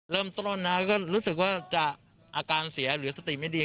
เริ่มต้นนะก็รู้สึกว่าจะอาการเสียหรือสติไม่ดี